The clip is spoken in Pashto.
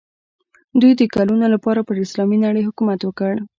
دوی د کلونو لپاره پر اسلامي نړۍ حکومت وکړ.